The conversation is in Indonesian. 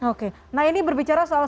oke nah ini berbicara soal